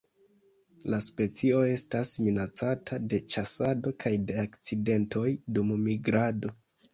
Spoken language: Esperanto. La specio estas minacata de ĉasado kaj de akcidentoj dum migrado.